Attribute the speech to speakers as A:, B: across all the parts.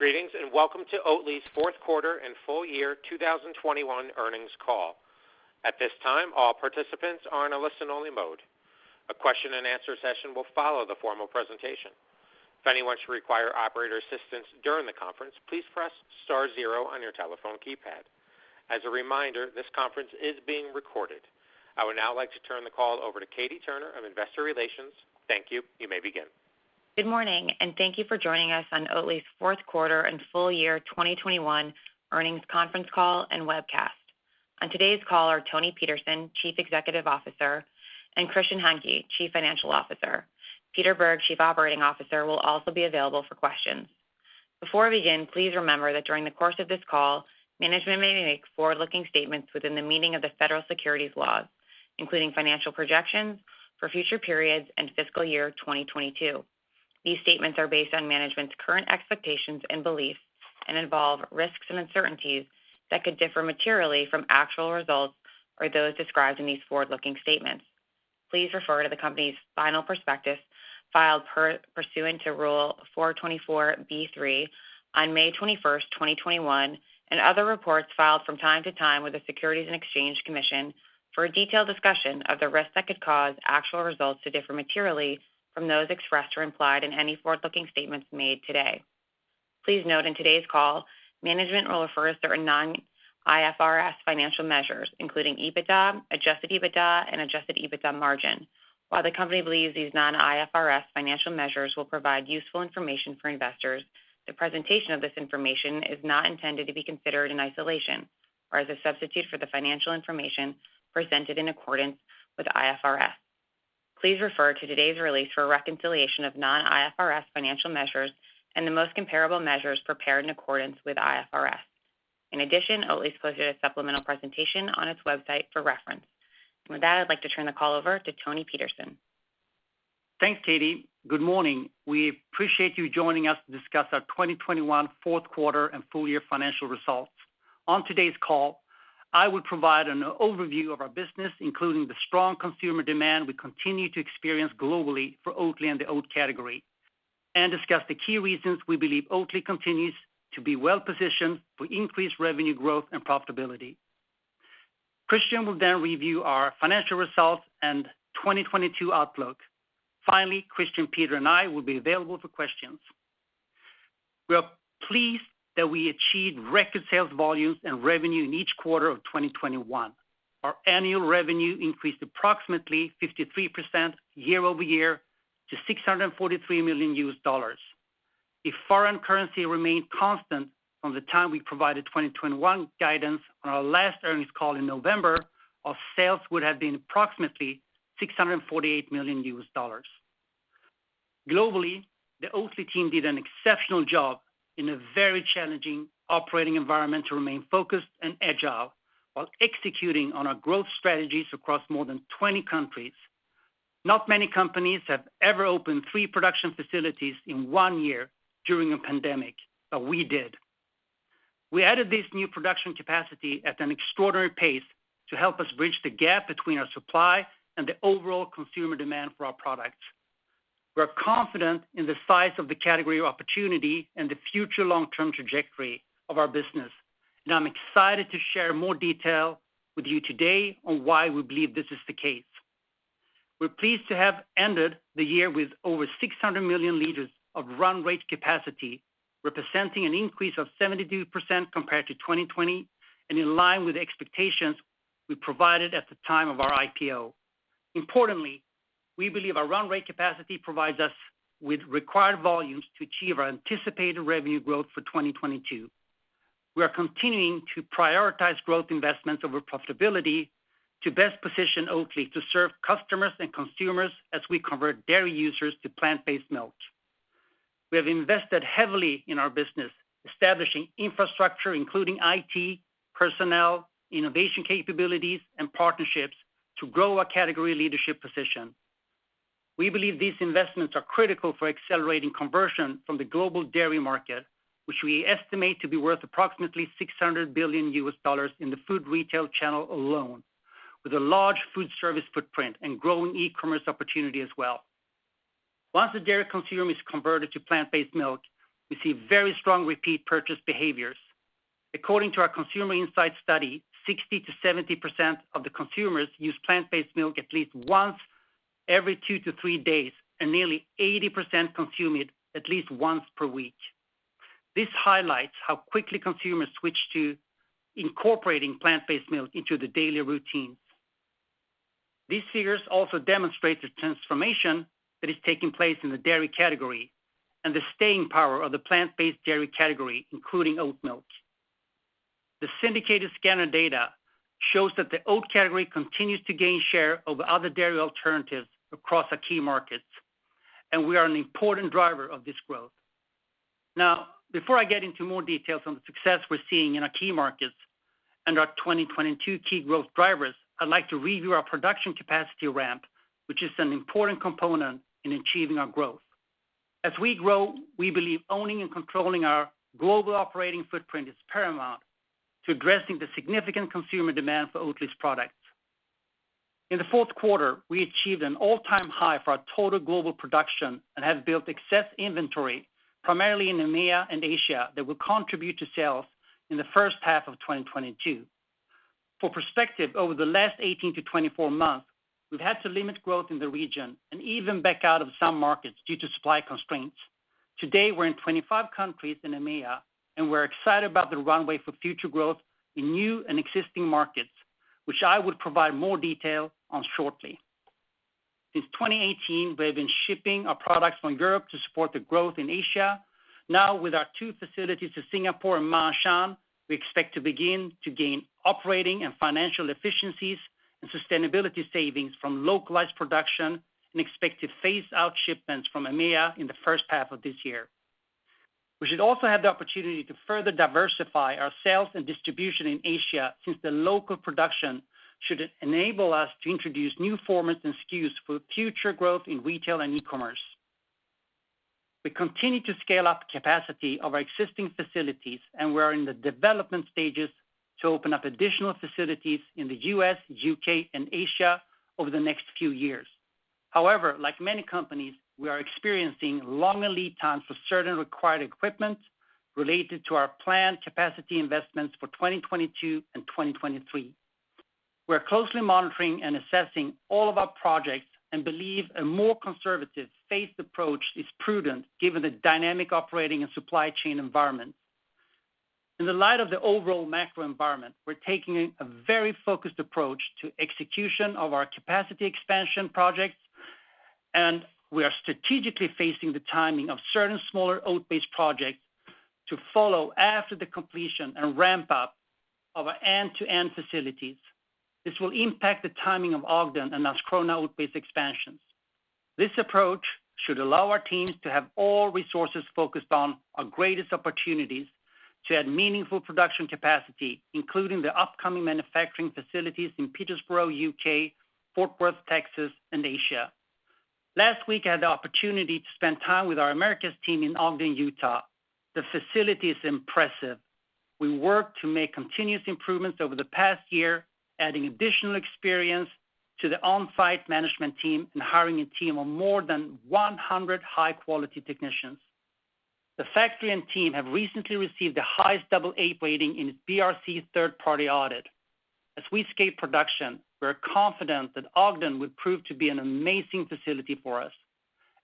A: Greetings, and welcome to Oatly's fourth quarter and full year 2021 earnings call. At this time, all participants are in a listen only mode. A question and answer session will follow the formal presentation. If anyone should require operator assistance during the conference, please press star zero on your telephone keypad. As a reminder, this conference is being recorded. I would now like to turn the call over to Katie Turner of Investor Relations. Thank you. You may begin.
B: Good morning, and thank you for joining us on Oatly's fourth quarter and full year 2021 earnings conference call and webcast. On today's call are Toni Petersson, Chief Executive Officer, and Christian Hanke, Chief Financial Officer. Peter Bergh, Chief Operating Officer, will also be available for questions. Before we begin, please remember that during the course of this call, management may make forward-looking statements within the meaning of the federal securities laws, including financial projections for future periods and fiscal year 2022. These statements are based on management's current expectations and beliefs and involve risks and uncertainties that could differ materially from actual results or those described in these forward-looking statements. Please refer to the company's final prospectus filed pursuant to Rule 424(b)(3) on May 21, 2021, and other reports filed from time to time with the Securities and Exchange Commission for a detailed discussion of the risks that could cause actual results to differ materially from those expressed or implied in any forward-looking statements made today. Please note in today's call, management will refer to certain non-IFRS financial measures, including EBITDA, Adjusted EBITDA, and Adjusted EBITDA margin. While the company believes these non-IFRS financial measures will provide useful information for investors, the presentation of this information is not intended to be considered in isolation or as a substitute for the financial information presented in accordance with IFRS. Please refer to today's release for a reconciliation of non-IFRS financial measures and the most comparable measures prepared in accordance with IFRS. In addition, Oatly posted a supplemental presentation on its website for reference. With that, I'd like to turn the call over to Toni Petersson.
C: Thanks, Katie. Good morning. We appreciate you joining us to discuss our 2021 fourth quarter and full year financial results. On today's call, I will provide an overview of our business, including the strong consumer demand we continue to experience globally for Oatly and the oat category, and discuss the key reasons we believe Oatly continues to be well-positioned for increased revenue growth and profitability. Christian will then review our financial results and 2022 outlook. Finally, Christian, Peter, and I will be available for questions. We are pleased that we achieved record sales volumes and revenue in each quarter of 2021. Our annual revenue increased approximately 53% year-over-year to $643 million. If foreign currency remained constant from the time we provided 2021 guidance on our last earnings call in November, our sales would have been approximately $648 million. Globally, the Oatly team did an exceptional job in a very challenging operating environment to remain focused and agile while executing on our growth strategies across more than 20 countries. Not many companies have ever opened three production facilities in one year during a pandemic, but we did. We added this new production capacity at an extraordinary pace to help us bridge the gap between our supply and the overall consumer demand for our products. We're confident in the size of the category opportunity and the future long-term trajectory of our business, and I'm excited to share more detail with you today on why we believe this is the case. We're pleased to have ended the year with over 600 million liters of run rate capacity, representing an increase of 72% compared to 2020 and in line with expectations we provided at the time of our IPO. Importantly, we believe our run rate capacity provides us with required volumes to achieve our anticipated revenue growth for 2022. We are continuing to prioritize growth investments over profitability to best position Oatly to serve customers and consumers as we convert dairy users to plant-based milk. We have invested heavily in our business, establishing infrastructure, including IT, personnel, innovation capabilities, and partnerships to grow our category leadership position. We believe these investments are critical for accelerating conversion from the global dairy market, which we estimate to be worth approximately $600 billion in the food retail channel alone, with a large food service footprint and growing e-commerce opportunity as well. Once the dairy consumer is converted to plant-based milk, we see very strong repeat purchase behaviors. According to our consumer insight study, 60%-70% of the consumers use plant-based milk at least once every two to three days, and nearly 80% consume it at least once per week. This highlights how quickly consumers switch to incorporating plant-based milk into their daily routines. These figures also demonstrate the transformation that is taking place in the dairy category and the staying power of the plant-based dairy category, including oat milk. The syndicated scanner data shows that the oat category continues to gain share over other dairy alternatives across our key markets, and we are an important driver of this growth. Now, before I get into more details on the success we're seeing in our key markets and our 2022 key growth drivers, I'd like to review our production capacity ramp, which is an important component in achieving our growth. As we grow, we believe owning and controlling our global operating footprint is paramount to addressing the significant consumer demand for Oatly's products. In the fourth quarter, we achieved an all-time high for our total global production and have built excess inventory, primarily in EMEA and Asia, that will contribute to sales in the first half of 2022. For perspective, over the last 18-24 months, we've had to limit growth in the region and even back out of some markets due to supply constraints. Today, we're in 25 countries in EMEA, and we're excited about the runway for future growth in new and existing markets, which I would provide more detail on shortly. Since 2018, we have been shipping our products from Europe to support the growth in Asia. Now, with our two facilities in Singapore and Ma'anshan, we expect to begin to gain operating and financial efficiencies and sustainability savings from localized production and expect to phase out shipments from EMEA in the first half of this year. We should also have the opportunity to further diversify our sales and distribution in Asia, since the local production should enable us to introduce new formats and SKUs for future growth in retail and e-commerce. We continue to scale up capacity of our existing facilities, and we are in the development stages to open up additional facilities in the U.S., U.K., and Asia over the next few years. However, like many companies, we are experiencing longer lead times for certain required equipment related to our planned capacity investments for 2022 and 2023. We're closely monitoring and assessing all of our projects and believe a more conservative phased approach is prudent given the dynamic operating and supply chain environment. In the light of the overall macro environment, we're taking a very focused approach to execution of our capacity expansion projects, and we are strategically phasing the timing of certain smaller oat-based projects to follow after the completion and ramp up of our end-to-end facilities. This will impact the timing of Ogden and our Corona oat-based expansions. This approach should allow our teams to have all resources focused on our greatest opportunities to add meaningful production capacity, including the upcoming manufacturing facilities in Peterborough, U.K., Fort Worth, Texas, and Asia. Last week, I had the opportunity to spend time with our Americas team in Ogden, Utah. The facility is impressive. We worked to make continuous improvements over the past year, adding additional experience to the on-site management team and hiring a team of more than 100 high-quality technicians. The factory and team have recently received the highest double A rating in its BRC third-party audit. As we scale production, we're confident that Ogden would prove to be an amazing facility for us.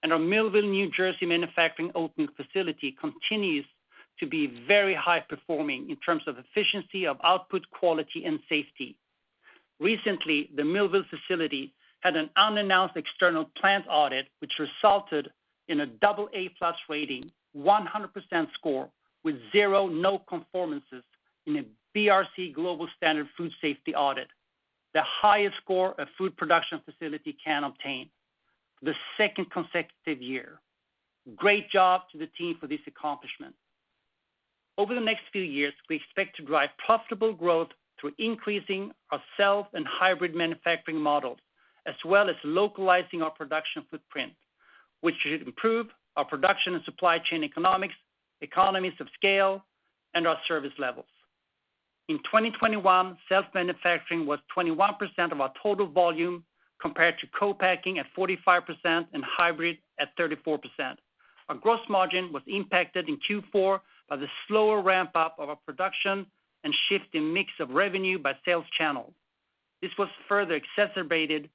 C: Our Millville, New Jersey manufacturing oat milk facility continues to be very high-performing in terms of efficiency of output, quality, and safety. Recently, the Millville facility had an unannounced external plant audit, which resulted in an AA+ rating, 100% score with zero non-conformances in a BRC Global Standard Food Safety Audit, the highest score a food production facility can obtain for the second consecutive year. Great job to the team for this accomplishment. Over the next few years, we expect to drive profitable growth through increasing our self and hybrid manufacturing models, as well as localizing our production footprint, which should improve our production and supply chain economics, economies of scale, and our service levels. In 2021, self-manufacturing was 21% of our total volume compared to co-packing at 45% and hybrid at 34%. Our gross margin was impacted in Q4 by the slower ramp-up of our production and shift in mix of revenue by sales channel. This was further exacerbated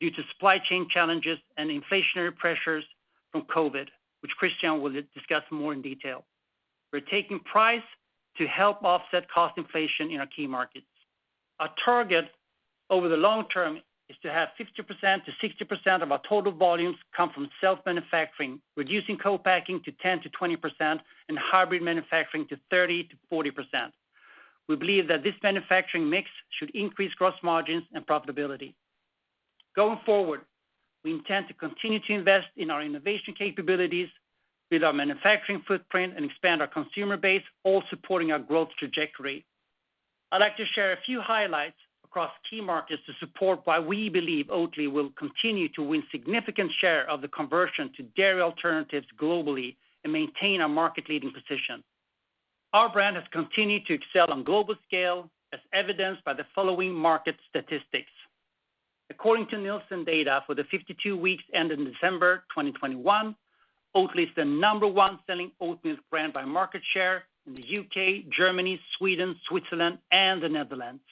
C: due to supply chain challenges and inflationary pressures from COVID, which Christian will discuss more in detail. We're taking price to help offset cost inflation in our key markets. Our target over the long term is to have 50%-60% of our total volumes come from self-manufacturing, reducing co-packing to 10%-20% and hybrid manufacturing to 30%-40%. We believe that this manufacturing mix should increase gross margins and profitability. Going forward, we intend to continue to invest in our innovation capabilities with our manufacturing footprint and expand our consumer base, all supporting our growth trajectory. I'd like to share a few highlights across key markets to support why we believe Oatly will continue to win significant share of the conversion to dairy alternatives globally and maintain our market leading position. Our brand has continued to excel on global scale as evidenced by the following market statistics. According to Nielsen data for the 52 weeks ending December 2021, Oatly is the number one selling oat milk brand by market share in the U.K., Germany, Sweden, Switzerland, and the Netherlands.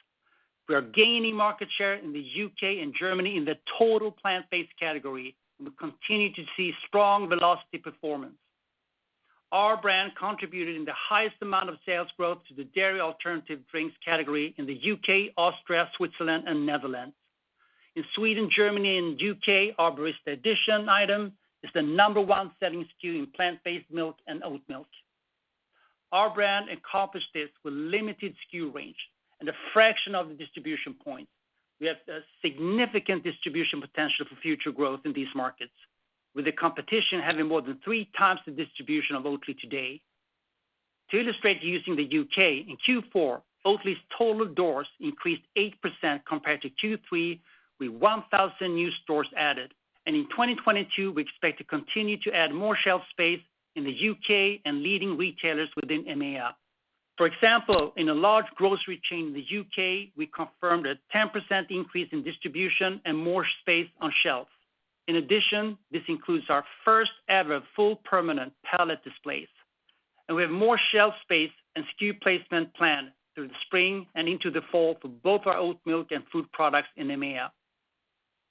C: We are gaining market share in the U.K. and Germany in the total plant-based category and we continue to see strong velocity performance. Our brand contributed in the highest amount of sales growth to the dairy alternative drinks category in the U.K., Austria, Switzerland, and Netherlands. In Sweden, Germany, and U.K., our Barista Edition item is the number one selling SKU in plant-based milk and oat milk. Our brand accomplished this with limited SKU range and a fraction of the distribution points. We have a significant distribution potential for future growth in these markets, with the competition having more than three times the distribution of Oatly today. To illustrate using the U.K., in Q4, Oatly's total doors increased 8% compared to Q3, with 1,000 new stores added. In 2022, we expect to continue to add more shelf space in the U.K. and leading retailers within EMEA. For example, in a large grocery chain in the U.K., we confirmed a 10% increase in distribution and more space on shelves. In addition, this includes our first-ever full permanent pallet displays. We have more shelf space and SKU placement planned through the spring and into the fall for both our oat milk and food products in EMEA.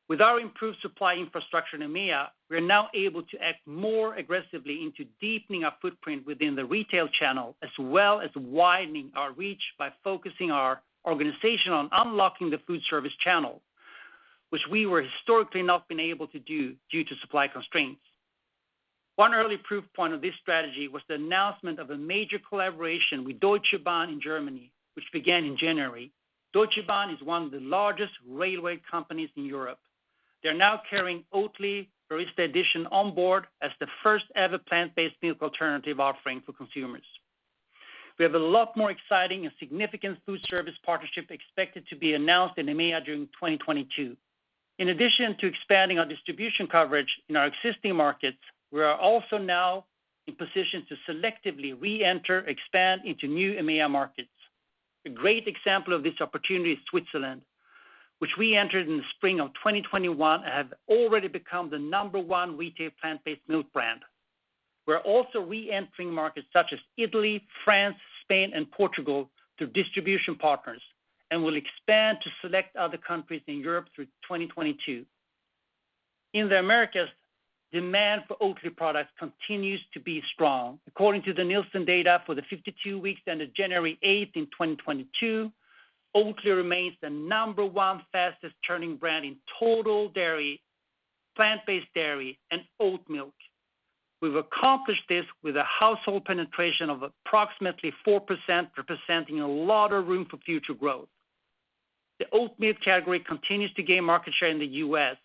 C: With our improved supply infrastructure in EMEA, we are now able to act more aggressively into deepening our footprint within the retail channel, as well as widening our reach by focusing our organization on unlocking the food service channel, which we were historically not been able to do due to supply constraints. One early proof point of this strategy was the announcement of a major collaboration with Deutsche Bahn in Germany, which began in January. Deutsche Bahn is one of the largest railway companies in Europe. They are now carrying Oatly Barista Edition on board as the first-ever plant-based milk alternative offering for consumers. We have a lot more exciting and significant food service partnership expected to be announced in EMEA during 2022. In addition to expanding our distribution coverage in our existing markets, we are also now in position to selectively re-enter, expand into new EMEA markets. A great example of this opportunity is Switzerland, which we entered in the spring of 2021 and have already become the number one retail plant-based milk brand. We're also re-entering markets such as Italy, France, Spain, and Portugal through distribution partners, and will expand to select other countries in Europe through 2022. In the Americas, demand for Oatly products continues to be strong. According to the Nielsen data for the 52 weeks ended January 8 in 2022, Oatly remains the number one fastest turning brand in total dairy, plant-based dairy, and oat milk. We've accomplished this with a household penetration of approximately 4%, representing a lot of room for future growth. The oat milk category continues to gain market share in the U.S.,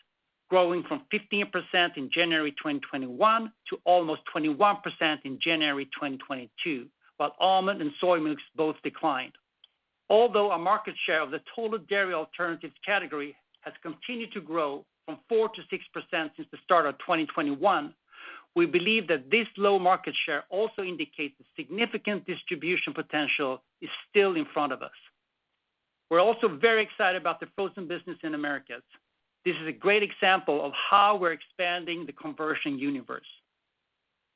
C: growing from 15% in January 2021 to almost 21% in January 2022, while almond and soy milks both declined. Although our market share of the total dairy alternatives category has continued to grow from 4%-6% since the start of 2021, we believe that this low market share also indicates the significant distribution potential is still in front of us. We're also very excited about the frozen business in Americas. This is a great example of how we're expanding the conversion universe.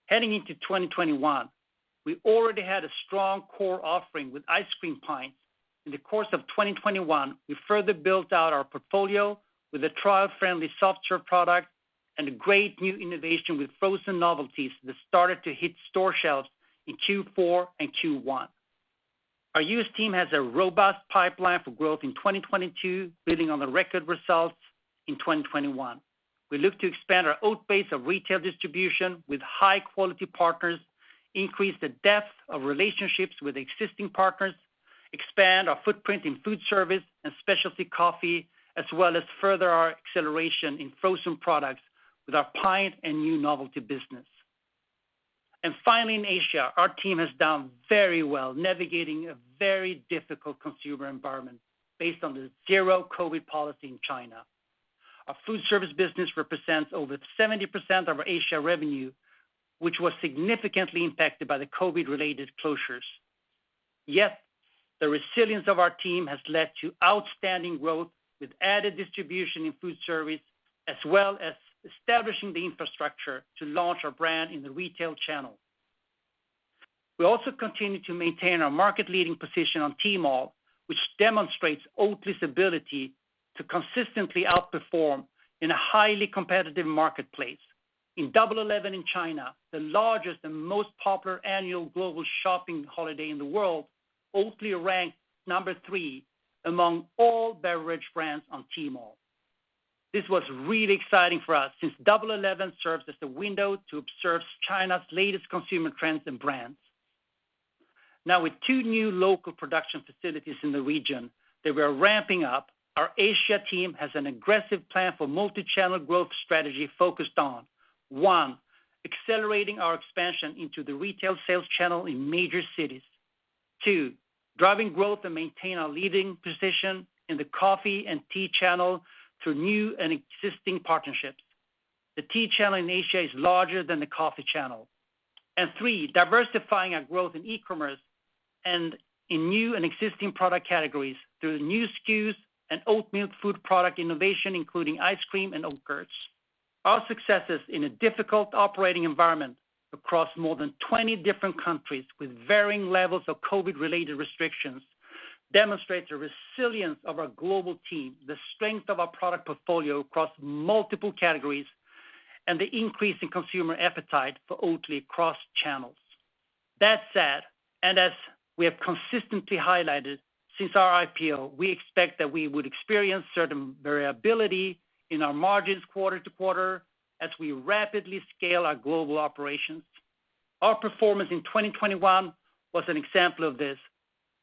C: Heading into 2021, we already had a strong core offering with ice cream pint. In the course of 2021, we further built out our portfolio with a trial-friendly soft serve product and a great new innovation with frozen novelties that started to hit store shelves in Q4 and Q1. Our U.S. team has a robust pipeline for growth in 2022, building on the record results in 2021. We look to expand our base of retail distribution with high-quality partners, increase the depth of relationships with existing partners, expand our footprint in food service and specialty coffee, as well as further our acceleration in frozen products with our pint and new novelty business. Finally, in Asia, our team has done very well navigating a very difficult consumer environment based on the zero COVID policy in China. Our food service business represents over 70% of our Asia revenue, which was significantly impacted by the COVID-related closures. Yet, the resilience of our team has led to outstanding growth with added distribution in food service, as well as establishing the infrastructure to launch our brand in the retail channel. We also continue to maintain our market leading position on Tmall, which demonstrates Oatly's ability to consistently outperform in a highly competitive marketplace. In Double Eleven in China, the largest and most popular annual global shopping holiday in the world, Oatly ranked number three among all beverage brands on Tmall. This was really exciting for us since Double Eleven serves as the window to observe China's latest consumer trends and brands. Now with two new local production facilities in the region that we are ramping up, our Asia team has an aggressive plan for multi-channel growth strategy focused on, one, accelerating our expansion into the retail sales channel in major cities. Two, driving growth and maintain our leading position in the coffee and tea channel through new and existing partnerships. The tea channel in Asia is larger than the coffee channel. Three, diversifying our growth in e-commerce and in new and existing product categories through new SKUs and oat milk food product innovation, including ice cream and Oatgurt. Our successes in a difficult operating environment across more than 20 different countries with varying levels of COVID-related restrictions demonstrate the resilience of our global team, the strength of our product portfolio across multiple categories, and the increase in consumer appetite for Oatly across channels. That said, and as we have consistently highlighted since our IPO, we expect that we would experience certain variability in our margins quarter-to-quarter as we rapidly scale our global operations. Our performance in 2021 was an example of this,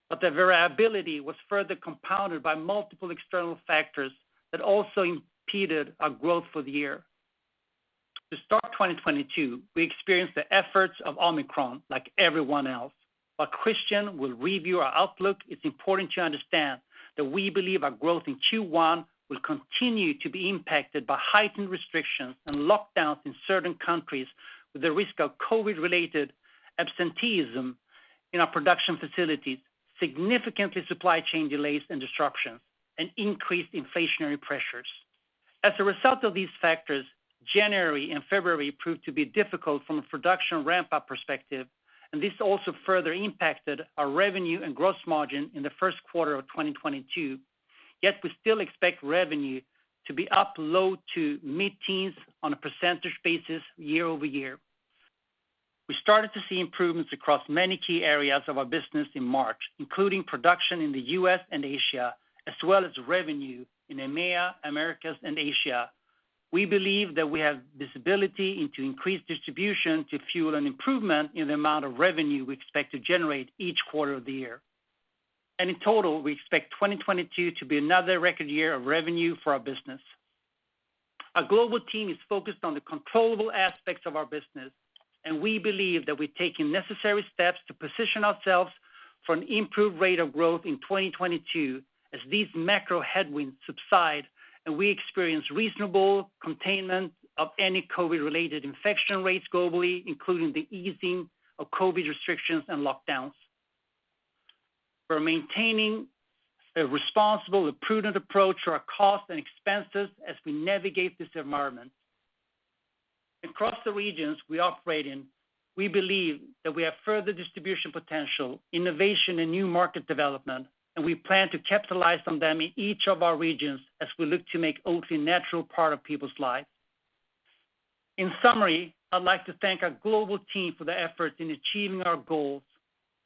C: but the variability was further compounded by multiple external factors that also impeded our growth for the year. To start 2022, we experienced the efforts of Omicron like everyone else. While Christian will review our outlook, it's important to understand that we believe our growth in Q1 will continue to be impacted by heightened restrictions and lockdowns in certain countries with the risk of COVID-19-related absenteeism in our production facilities, significant supply chain delays and disruptions, and increased inflationary pressures. As a result of these factors, January and February proved to be difficult from a production ramp-up perspective, and this also further impacted our revenue and gross margin in the first quarter of 2022. Yet we still expect revenue to be up low to mid teens on a percent to year-over-year. We started to see improvements across many key areas of our business in March, including production in the U.S. and Asia, as well as revenue in EMEA, Americas, and Asia. We believe that we have this ability into increased distribution to fuel an improvement in the amount of revenue we expect to generate each quarter of the year. In total, we expect 2022 to be another record year of revenue for our business. Our global team is focused on the controllable aspects of our business, and we believe that we're taking necessary steps to position ourselves for an improved rate of growth in 2022 as these macro headwinds subside and we experience reasonable containment of any COVID-related infection rates globally, including the easing of COVID restrictions and lockdowns. We're maintaining a responsible and prudent approach to our costs and expenses as we navigate this environment. Across the regions we operate in, we believe that we have further distribution potential, innovation, and new market development, and we plan to capitalize on them in each of our regions as we look to make Oatly natural part of people's lives. In summary, I'd like to thank our global team for their efforts in achieving our goals.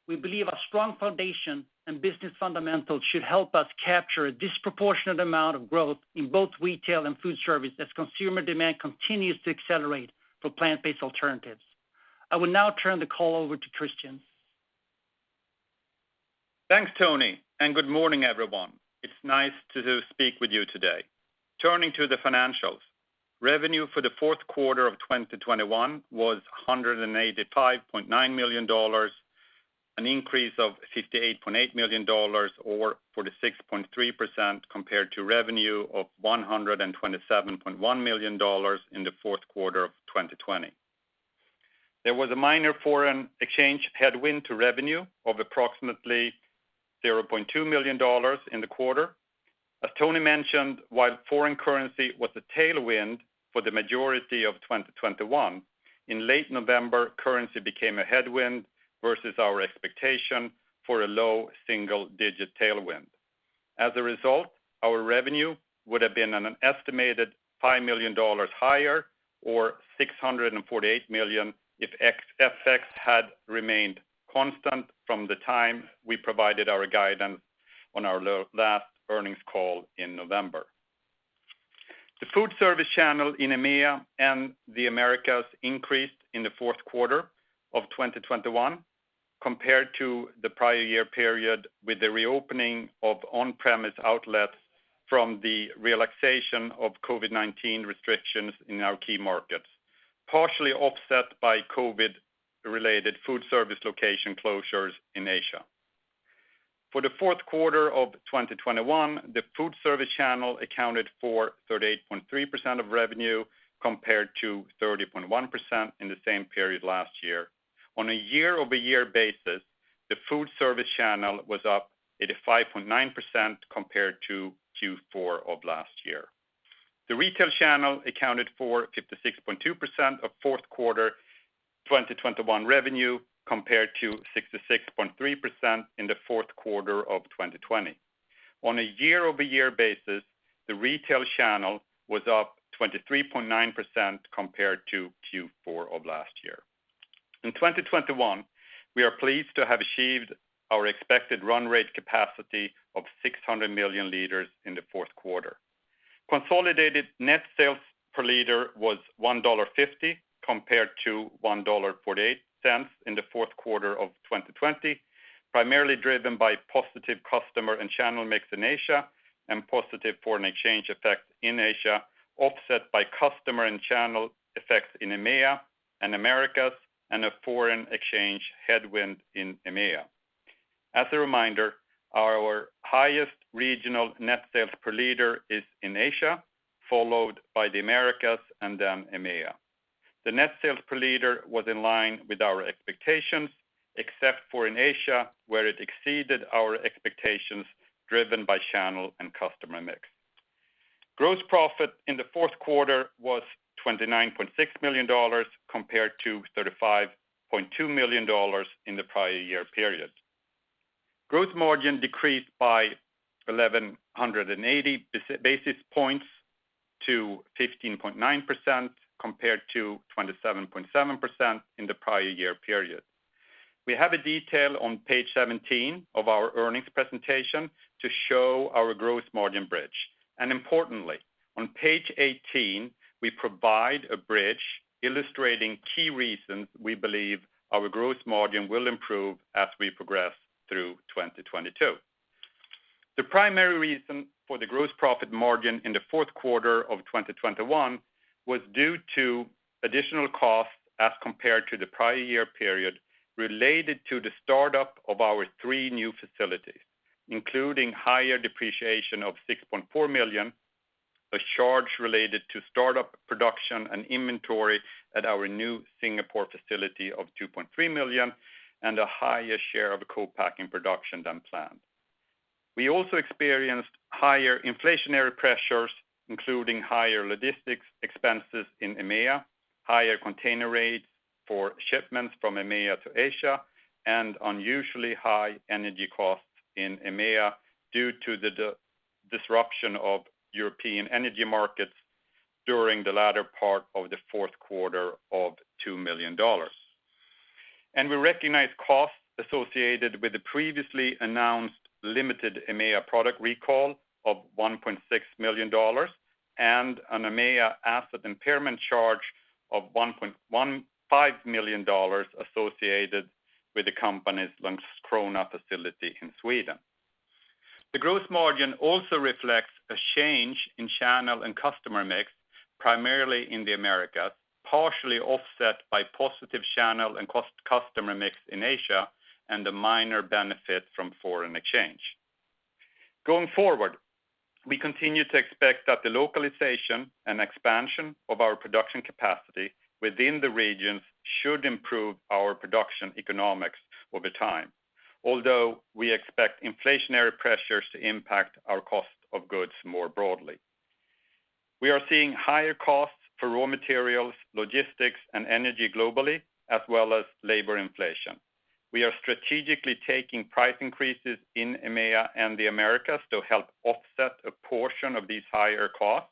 C: We believe our strong foundation and business fundamentals should help us capture a disproportionate amount of growth in both retail and food service as consumer demand continues to accelerate for plant-based alternatives. I will now turn the call over to Christian.
D: Thanks, Toni, and good morning, everyone. It's nice to speak with you today. Turning to the financials. Revenue for the fourth quarter of 2021 was $185.9 million, an increase of $58.8 million or 46.3% compared to revenue of $127.1 million in the fourth quarter of 2020. There was a minor foreign exchange headwind to revenue of approximately $0.2 million in the quarter. As Toni mentioned, while foreign currency was a tailwind for the majority of 2021, in late November, currency became a headwind versus our expectation for a low single-digit tailwind. As a result, our revenue would have been an estimated $5 million higher or $648 million if ex-FX had remained constant from the time we provided our guidance on our last earnings call in November. The food service channel in EMEA and the Americas increased in the fourth quarter of 2021 compared to the prior year period with the reopening of on-premise outlets from the relaxation of COVID-19 restrictions in our key markets, partially offset by COVID-related food service location closures in Asia. For the fourth quarter of 2021, the food service channel accounted for 38.3% of revenue compared to 30.1% in the same period last year. On a year-over-year basis, the food service channel was up 85.9% compared to Q4 of last year. The retail channel accounted for 56.2% of fourth quarter 2021 revenue compared to 66.3% in the fourth quarter of 2020. On a year-over-year basis, the retail channel was up 23.9% compared to Q4 of last year. In 2021, we are pleased to have achieved our expected run rate capacity of 600 million liters in the fourth quarter. Consolidated net sales per liter was $1.50 compared to $1.48 in the fourth quarter of 2020, primarily driven by positive customer and channel mix in Asia and positive foreign exchange effect in Asia, offset by customer and channel effects in EMEA and Americas and a foreign exchange headwind in EMEA. As a reminder, our highest regional net sales per liter is in Asia, followed by the Americas and then EMEA. The net sales per liter was in line with our expectations, except for in Asia, where it exceeded our expectations, driven by channel and customer mix. Gross profit in the fourth quarter was $29.6 million, compared to $35.2 million in the prior year period. Gross margin decreased by 1,180 basis points to 15.9% compared to 27.7% in the prior year period. We have a detail on page 17 of our earnings presentation to show our gross margin bridge. Importantly, on page 18, we provide a bridge illustrating key reasons we believe our gross margin will improve as we progress through 2022. The primary reason for the gross profit margin in the fourth quarter of 2021 was due to additional costs as compared to the prior year period related to the startup of our three new facilities, including higher depreciation of $6.4 million, a charge related to start-up production and inventory at our new Singapore facility of $2.3 million, and a higher share of co-packing production than planned. We also experienced higher inflationary pressures, including higher logistics expenses in EMEA, higher container rates for shipments from EMEA to Asia, and unusually high energy costs in EMEA due to the disruption of European energy markets during the latter part of the fourth quarter of $2 million. We recognize costs associated with the previously announced limited EMEA product recall of $1.6 million and an EMEA asset impairment charge of $1.15 million associated with the company's Landskrona facility in Sweden. The gross margin also reflects a change in channel and customer mix, primarily in the Americas, partially offset by positive channel and customer mix in Asia and a minor benefit from foreign exchange. Going forward, we continue to expect that the localization and expansion of our production capacity within the regions should improve our production economics over time. Although we expect inflationary pressures to impact our cost of goods more broadly. We are seeing higher costs for raw materials, logistics, and energy globally, as well as labor inflation. We are strategically taking price increases in EMEA and the Americas to help offset a portion of these higher costs.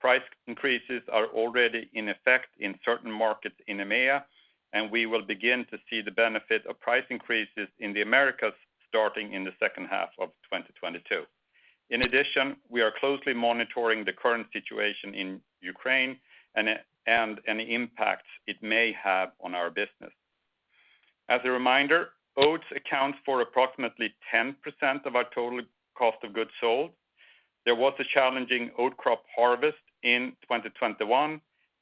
D: Price increases are already in effect in certain markets in EMEA, and we will begin to see the benefit of price increases in the Americas starting in the second half of 2022. In addition, we are closely monitoring the current situation in Ukraine and any impact it may have on our business. As a reminder, oats account for approximately 10% of our total cost of goods sold. There was a challenging oat crop harvest in 2021,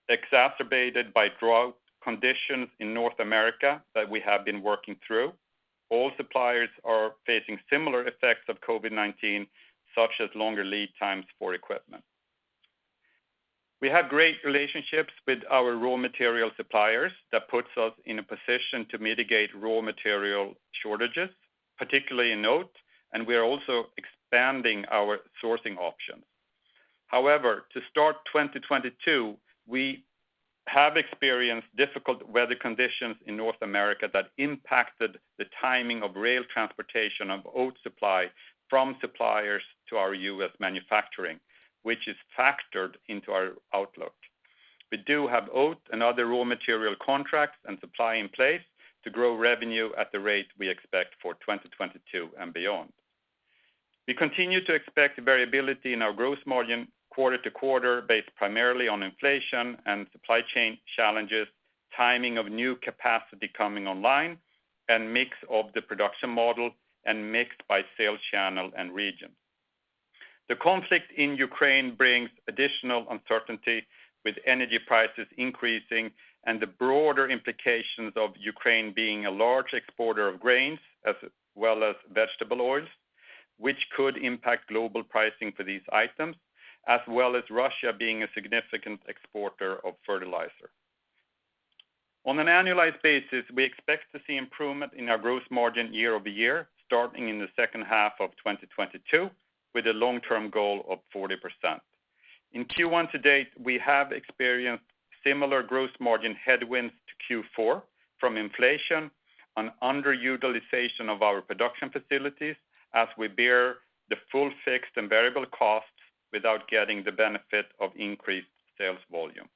D: exacerbated by drought conditions in North America that we have been working through. All suppliers are facing similar effects of COVID-19, such as longer lead times for equipment. We have great relationships with our raw material suppliers that puts us in a position to mitigate raw material shortages, particularly in oats, and we are also expanding our sourcing options. However, to start 2022, we have experienced difficult weather conditions in North America that impacted the timing of rail transportation of oat supply from suppliers to our U.S. manufacturing, which is factored into our outlook. We do have oat and other raw material contracts and supply in place to grow revenue at the rate we expect for 2022 and beyond. We continue to expect variability in our gross margin quarter to quarter based primarily on inflation and supply chain challenges, timing of new capacity coming online, and mix of the production model, and mix by sales channel and region. The conflict in Ukraine brings additional uncertainty with energy prices increasing and the broader implications of Ukraine being a large exporter of grains as well as vegetable oils, which could impact global pricing for these items, as well as Russia being a significant exporter of fertilizer. On an annualized basis, we expect to see improvement in our gross margin year over year, starting in the second half of 2022, with a long-term goal of 40%. In Q1 to date, we have experienced similar gross margin headwinds to Q4 from inflation on underutilization of our production facilities as we bear the full fixed and variable costs without getting the benefit of increased sales volume.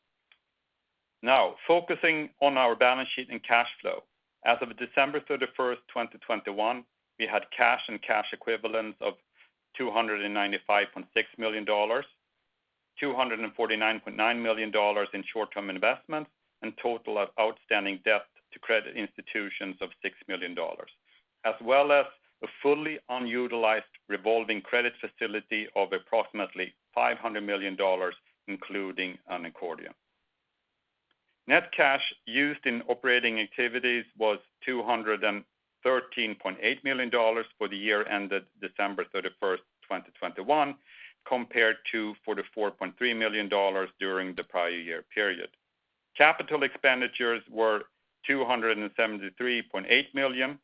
D: Now, focusing on our balance sheet and cash flow. As of December 31, 2021, we had cash and cash equivalents of $295.6 million, $249.9 million in short-term investments, and total outstanding debt to credit institutions of $6 million, as well as a fully unutilized revolving credit facility of approximately $500 million, including an accordion. Net cash used in operating activities was $213.8 million for the year ended December 31, 2021, compared to $44.3 million during the prior year period. Capital expenditures were $273.8 million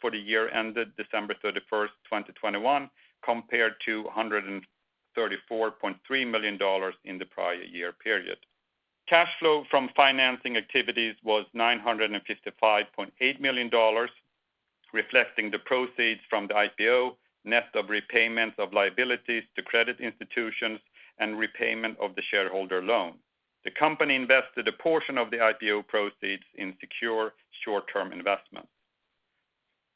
D: for the year ended December 31, 2021, compared to $134.3 million in the prior year period. Cash flow from financing activities was $955.8 million, reflecting the proceeds from the IPO, net of repayments of liabilities to credit institutions and repayment of the shareholder loan. The company invested a portion of the IPO proceeds in secure short-term investments.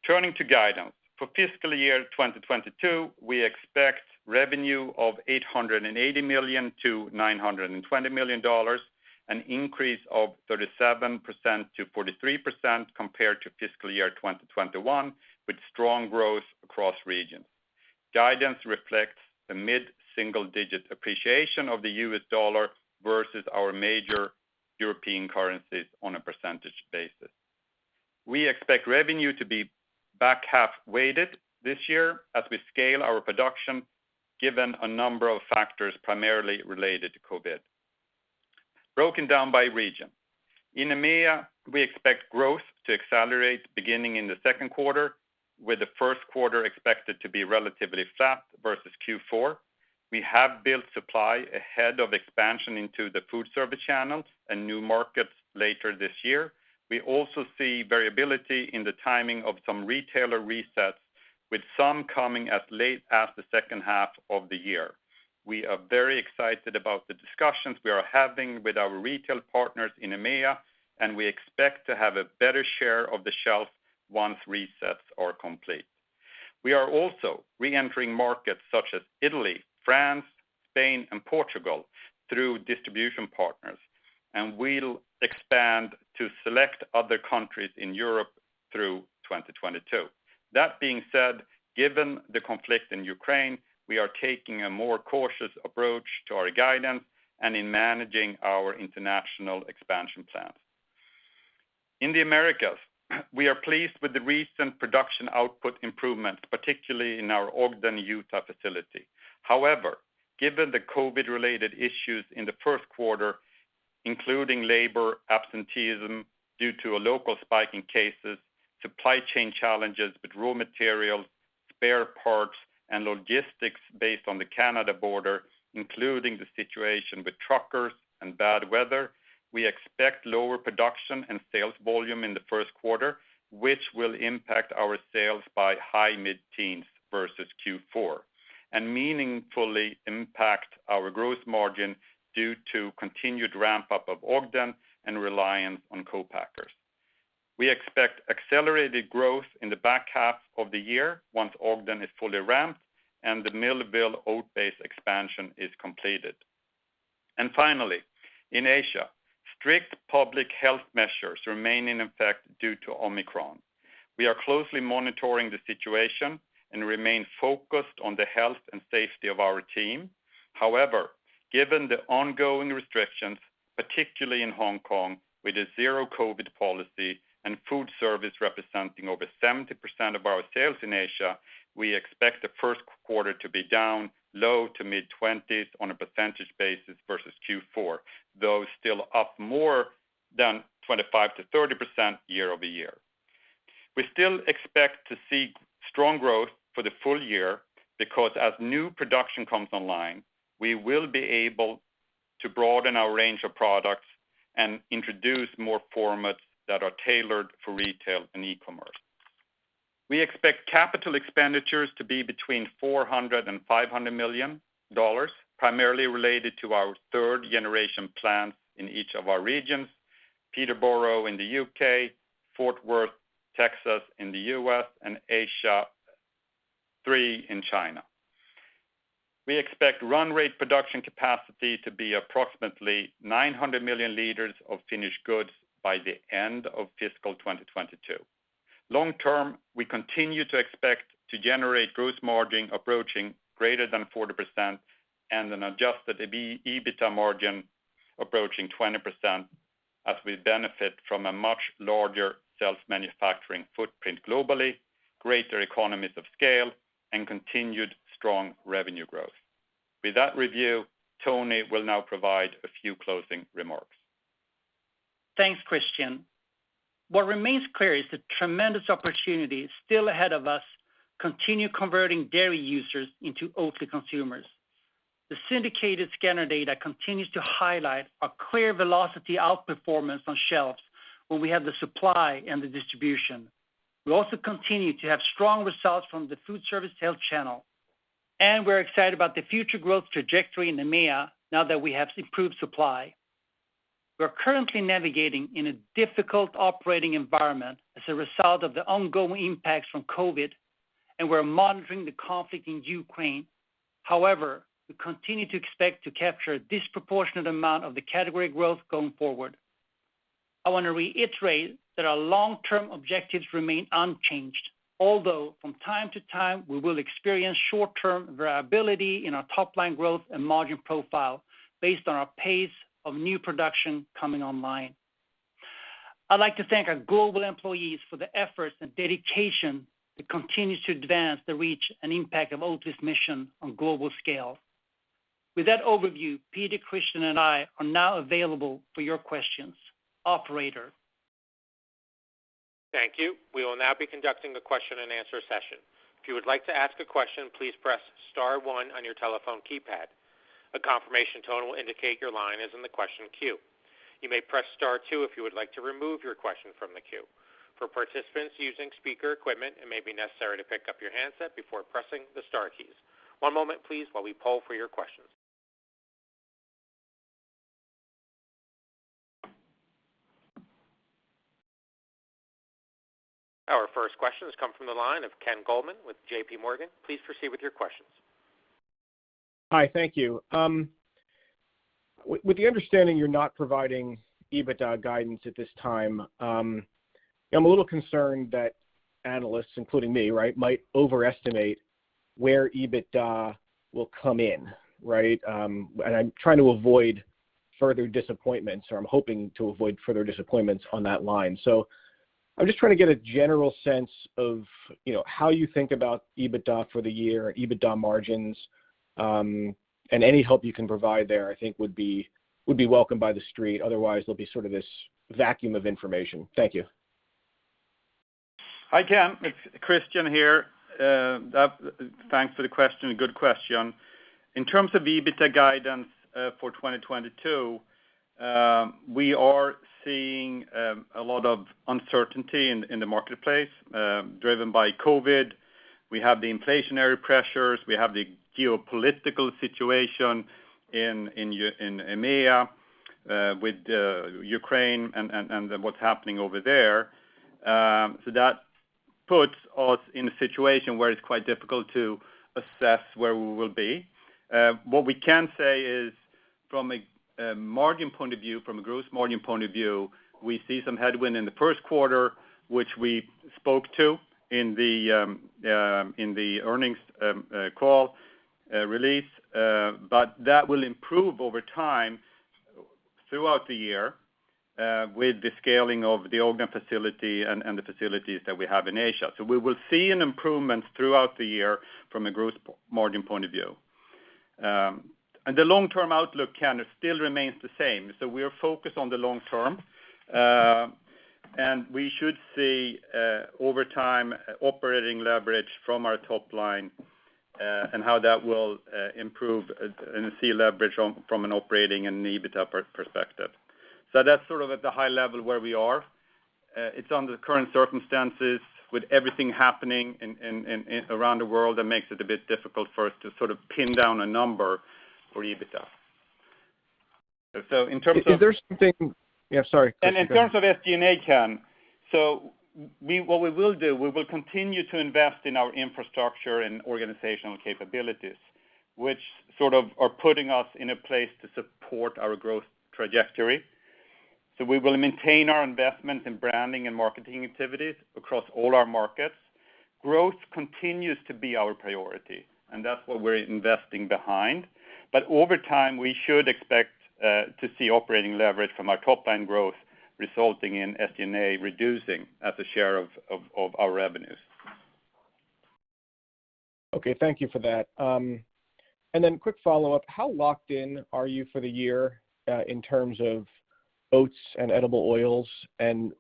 D: Turning to guidance. For fiscal year 2022, we expect revenue of $880 million-$920 million, an increase of 37%-43% compared to fiscal year 2021, with strong growth across regions. Guidance reflects the mid-single digit appreciation of the U.S. dollar versus our major European currencies on a percentage basis. We expect revenue to be back half weighted this year as we scale our production, given a number of factors primarily related to COVID. Broken down by region. In EMEA, we expect growth to accelerate beginning in the second quarter, with the first quarter expected to be relatively flat versus Q4. We have built supply ahead of expansion into the food service channels and new markets later this year. We also see variability in the timing of some retailer resets, with some coming as late as the second half of the year. We are very excited about the discussions we are having with our retail partners in EMEA, and we expect to have a better share of the shelf once resets are complete. We are also re-entering markets such as Italy, France, Spain, and Portugal through distribution partners, and we'll expand to select other countries in Europe through 2022. That being said, given the conflict in Ukraine, we are taking a more cautious approach to our guidance and in managing our international expansion plans. In the Americas, we are pleased with the recent production output improvements, particularly in our Ogden, Utah facility. However, given the COVID-related issues in the first quarter, including labor absenteeism due to a local spike in cases, supply chain challenges with raw materials, spare parts, and logistics based on the Canada border, including the situation with truckers and bad weather, we expect lower production and sales volume in the first quarter, which will impact our sales by high mid-teens% versus Q4, and meaningfully impact our gross margin due to continued ramp-up of Ogden and reliance on co-packers. We expect accelerated growth in the back half of the year once Ogden is fully ramped and the Millville oat-based expansion is completed. Finally, in Asia, strict public health measures remain in effect due to Omicron. We are closely monitoring the situation and remain focused on the health and safety of our team. However, given the ongoing restrictions, particularly in Hong Kong, with a zero COVID policy and food service representing over 70% of our sales in Asia, we expect the first quarter to be down low-to-mid-20s% versus Q4, though still up more than 25%-30% year-over-year. We still expect to see strong growth for the full year because as new production comes online, we will be able to broaden our range of products and introduce more formats that are tailored for retail and e-commerce. We expect capital expenditures to be between $400 million and $500 million, primarily related to our third generation plants in each of our regions, Peterborough in the U.K., Fort Worth, Texas in the U.S., and ASEAN 3 in China. We expect run-rate production capacity to be approximately 900 million liters of finished goods by the end of fiscal 2022. Long-term, we continue to expect to generate gross margin approaching greater than 40% and an Adjusted EBITDA margin approaching 20% as we benefit from a much larger self-manufacturing footprint globally, greater economies of scale, and continued strong revenue growth. With that review, Toni will now provide a few closing remarks.
C: Thanks, Christian. What remains clear is the tremendous opportunity still ahead of us to continue converting dairy users into Oatly consumers. The syndicated scanner data continues to highlight a clear velocity outperformance on shelves when we have the supply and the distribution. We also continue to have strong results from the food service sales channel, and we're excited about the future growth trajectory in EMEA now that we have improved supply. We are currently navigating in a difficult operating environment as a result of the ongoing impacts from COVID, and we're monitoring the conflict in Ukraine. However, we continue to expect to capture a disproportionate amount of the category growth going forward. I wanna reiterate that our long-term objectives remain unchanged, although from time to time, we will experience short-term variability in our top line growth and margin profile based on our pace of new production coming online. I'd like to thank our global employees for the efforts and dedication that continues to advance the reach and impact of Oatly's mission on global scale. With that overview, Peter, Christian, and I are now available for your questions. Operator?
A: Thank you. We will now be conducting the question and answer session. If you would like to ask a question, please press star one on your telephone keypad. A confirmation tone will indicate your line is in the question queue. You may press star two if you would like to remove your question from the queue. For participants using speaker equipment, it may be necessary to pick up your handset before pressing the star keys. One moment please while we poll for your questions. Our first question has come from the line of Ken Goldman with JPMorgan. Please proceed with your question.
E: Hi, thank you. With the understanding you're not providing EBITDA guidance at this time, I'm a little concerned that analysts, including me, right, might overestimate where EBITDA will come in, right? I'm trying to avoid further disappointments, or I'm hoping to avoid further disappointments on that line. I'm just trying to get a general sense of, you know, how you think about EBITDA for the year, EBITDA margins, and any help you can provide there, I think would be welcomed by the street. Otherwise, there'll be sort of this vacuum of information. Thank you.
D: Hi, Ken. It's Christian here. Thanks for the question, a good question. In terms of EBITDA guidance for 2022, we are seeing a lot of uncertainty in the marketplace driven by COVID. We have the inflationary pressures. We have the geopolitical situation in EMEA with Ukraine and what's happening over there. That puts us in a situation where it's quite difficult to assess where we will be. What we can say is from a margin point of view, from a gross margin point of view, we see some headwind in the first quarter, which we spoke to in the earnings call release. That will improve over time throughout the year, with the scaling of the Ogden facility and the facilities that we have in Asia. We will see an improvement throughout the year from a gross margin point of view. The long-term outlook, Ken, still remains the same. We are focused on the long term. We should see, over time, operating leverage from our top line, and how that will improve, and see leverage from an operating and EBITDA perspective. That's sort of at the high level where we are. It's under the current circumstances with everything happening in and around the world that makes it a bit difficult for us to sort of pin down a number for EBITDA. In terms of-
E: Yeah, sorry.
D: In terms of SG&A, Ken, what we will do, we will continue to invest in our infrastructure and organizational capabilities, which sort of are putting us in a place to support our growth trajectory. We will maintain our investment in branding and marketing activities across all our markets. Growth continues to be our priority, and that's what we're investing behind. Over time, we should expect to see operating leverage from our top line growth, resulting in SG&A reducing as a share of our revenues.
E: Okay, thank you for that. Quick follow-up: How locked in are you for the year in terms of oats and edible oils?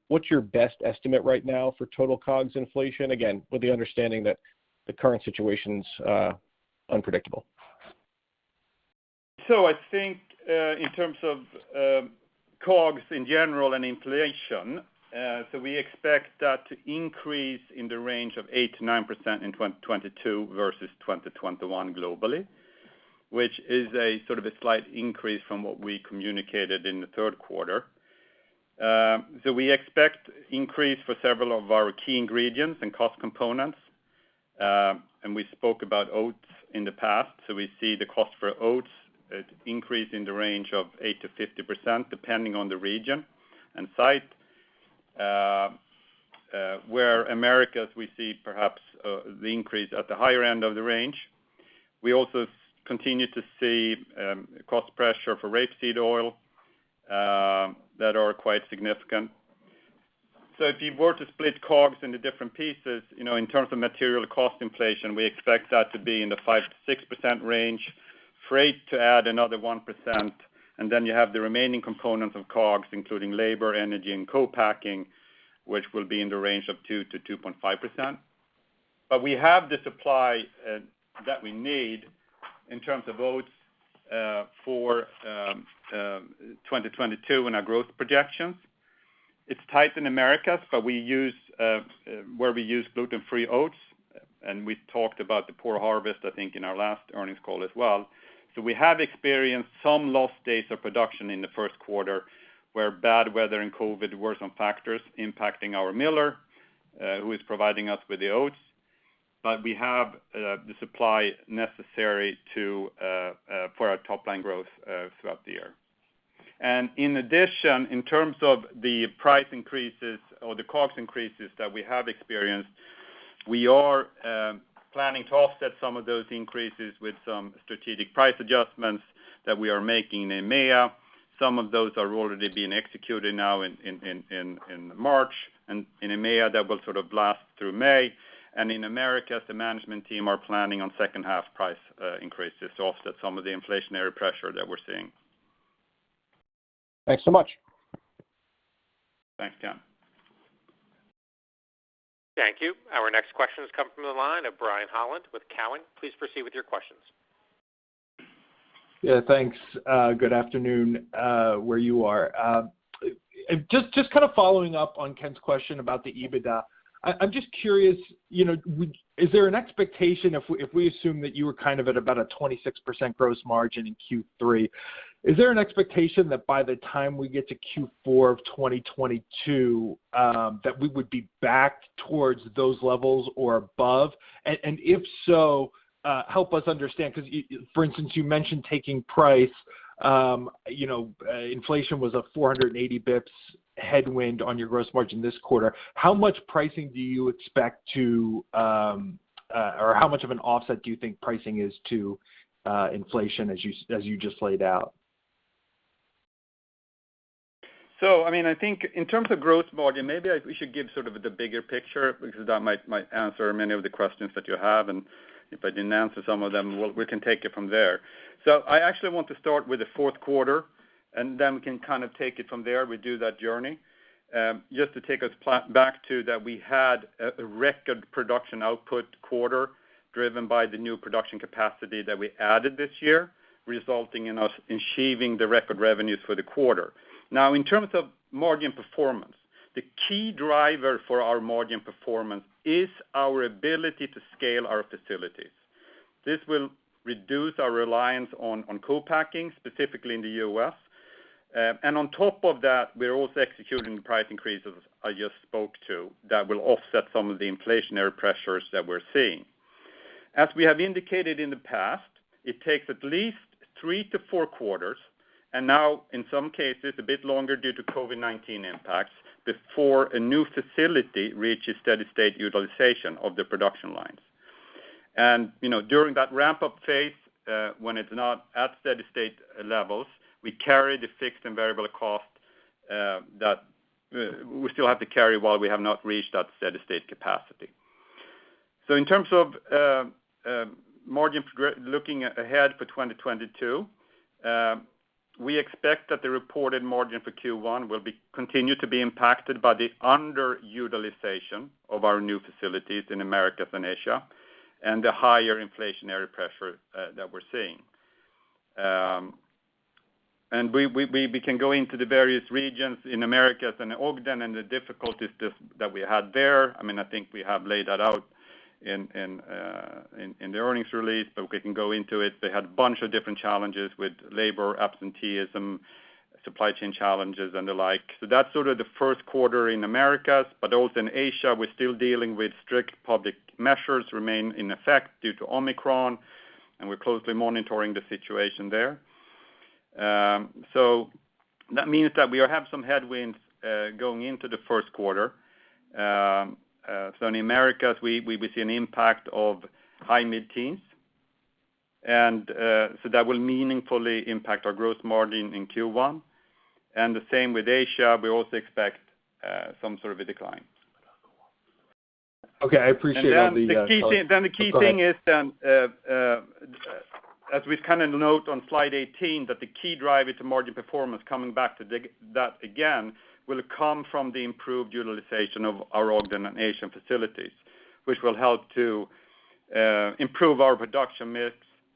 E: What's your best estimate right now for total COGS inflation? Again, with the understanding that the current situation's unpredictable.
D: I think in terms of COGS in general and inflation, we expect that to increase in the range of 8%-9% in 2022 versus 2021 globally, which is a sort of a slight increase from what we communicated in the third quarter. We expect increase for several of our key ingredients and cost components, and we spoke about oats in the past. We see the cost for oats increase in the range of 8%-50%, depending on the region and site. Where Americas, we see perhaps the increase at the higher end of the range. We also continue to see cost pressure for rapeseed oil that are quite significant. If you were to split COGS into different pieces, you know, in terms of material cost inflation, we expect that to be in the 5%-6% range, freight to add another 1%, and then you have the remaining components of COGS, including labor, energy, and co-packing, which will be in the range of 2%-2.5%. We have the supply that we need in terms of oats for 2022 in our growth projections. It's tight in Americas, but we use gluten-free oats, and we talked about the poor harvest, I think, in our last earnings call as well. We have experienced some lost days of production in the first quarter where bad weather and COVID were some factors impacting our miller who is providing us with the oats. We have the supply necessary for our top-line growth throughout the year. In addition, in terms of the price increases or the COGS increases that we have experienced, we are planning to offset some of those increases with some strategic price adjustments that we are making in EMEA. Some of those are already being executed now in March. In EMEA, that will sort of last through May. In Americas, the management team are planning on second half price increases to offset some of the inflationary pressure that we're seeing.
E: Thanks so much.
D: Thanks, Ken.
A: Thank you. Our next question has come from the line of Brian Holland with Cowen. Please proceed with your questions.
F: Yeah, thanks. Good afternoon, where you are. Just kind of following up on Ken's question about the EBITDA. I'm just curious, you know, is there an expectation if we assume that you were kind of at about a 26% gross margin in Q3, is there an expectation that by the time we get to Q4 of 2022, that we would be back towards those levels or above? If so, help us understand, 'cause for instance, you mentioned taking price. You know, inflation was up 480 basis points headwind on your gross margin this quarter. How much pricing do you expect to, or how much of an offset do you think pricing is to, inflation as you just laid out?
D: I mean, I think in terms of growth margin, maybe we should give sort of the bigger picture because that might answer many of the questions that you have. If I didn't answer some of them, we can take it from there. I actually want to start with the fourth quarter, and then we can kind of take it from there. We do that journey. Just to take us back to that we had a record production output quarter driven by the new production capacity that we added this year, resulting in us achieving the record revenues for the quarter. Now, in terms of margin performance, the key driver for our margin performance is our ability to scale our facilities. This will reduce our reliance on co-packing, specifically in the U.S. On top of that, we're also executing price increases I just spoke to that will offset some of the inflationary pressures that we're seeing. As we have indicated in the past, it takes at least three to four quarters, and now in some cases, a bit longer due to COVID-19 impacts, before a new facility reaches steady state utilization of the production lines. You know, during that ramp-up phase, when it's not at steady state levels, we carry the fixed and variable costs that we still have to carry while we have not reached that steady state capacity. In terms of looking ahead for 2022, we expect that the reported margin for Q1 will be continued to be impacted by the underutilization of our new facilities in Americas and Asia, and the higher inflationary pressure that we're seeing. We can go into the various regions in Americas and Ogden and the difficulties just that we had there. I mean, I think we have laid that out in the earnings release, but we can go into it. They had a bunch of different challenges with labor absenteeism, supply chain challenges and the like. That's sort of the first quarter in Americas. In Asia, we're still dealing with strict public measures remain in effect due to Omicron, and we're closely monitoring the situation there. That means that we have some headwinds going into the first quarter. In Americas we will see an impact of high mid-teens%. That will meaningfully impact our growth margin in Q1. The same with Asia, we also expect some sort of a decline.
F: Okay, I appreciate all the color.
D: The key thing is as we kind of note on slide 18, that the key driver to margin performance coming back to get that again will come from the improved utilization of our Ogden and Asian facilities, which will help to improve our production mix,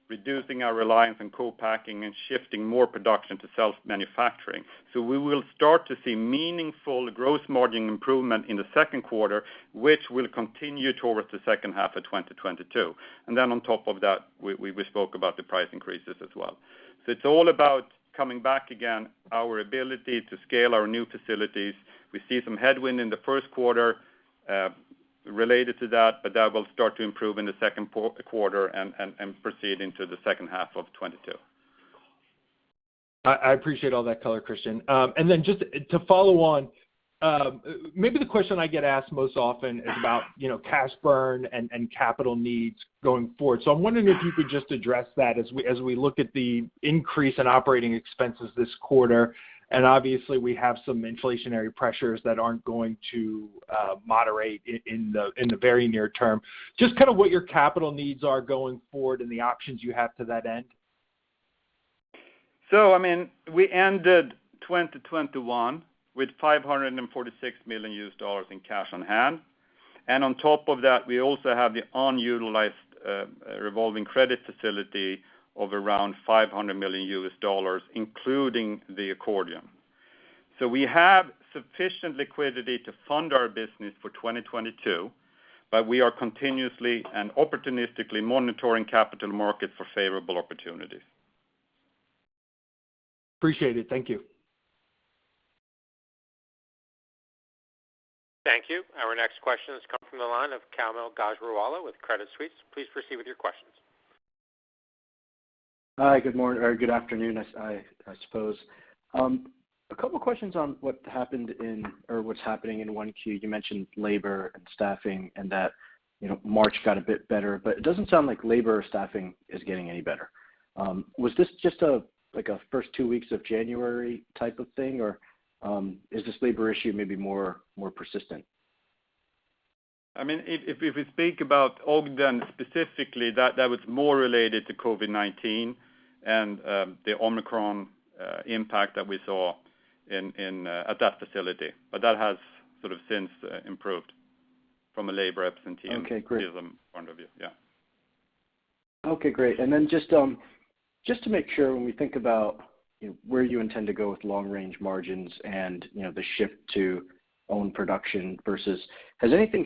D: reducing our reliance on co-packing and shifting more production to self-manufacturing. We will start to see meaningful gross margin improvement in the second quarter, which will continue towards the second half of 2022. On top of that, we spoke about the price increases as well. It's all about coming back again, our ability to scale our new facilities. We see some headwind in the first quarter, related to that, but that will start to improve in the second quarter and proceed into the second half of 2022.
F: I appreciate all that color, Christian. Just to follow on, maybe the question I get asked most often is about, you know, cash burn and capital needs going forward. I'm wondering if you could just address that as we look at the increase in operating expenses this quarter, and obviously we have some inflationary pressures that aren't going to moderate in the very near term. Just kind of what your capital needs are going forward and the options you have to that end.
D: I mean, we ended 2021 with $546 million in cash on hand. On top of that, we also have the unutilized revolving credit facility of around $500 million, including the accordion. We have sufficient liquidity to fund our business for 2022, but we are continuously and opportunistically monitoring capital markets for favorable opportunities.
F: Appreciate it. Thank you.
A: Thank you. Our next question is coming from the line of Kaumil Gajrawala with Credit Suisse. Please proceed with your questions.
G: Hi, good morning or good afternoon, I suppose. A couple questions on what happened in or what's happening in 1Q. You mentioned labor and staffing and that, you know, March got a bit better, but it doesn't sound like labor or staffing is getting any better. Was this just like a first two weeks of January type of thing, or is this labor issue maybe more persistent?
D: I mean, if we speak about Ogden specifically, that was more related to COVID-19 and the Omicron impact that we saw in at that facility. That has sort of since improved from a labor absenteeism-
G: Okay, great.
D: Viewpoint of view. Yeah.
G: Okay, great. Just to make sure when we think about, you know, where you intend to go with long-range margins and, you know, the shift to own production versus has anything